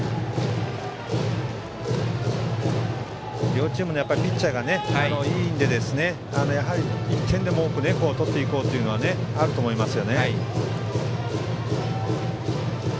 両チームのピッチャーがいいのでやはり１点でも多く取っていこうというのはあると思いますよね。